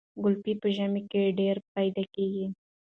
ګلپي په ژمي کې ډیر پیدا کیږي.